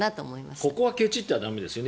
ここはケチっては駄目ですよね。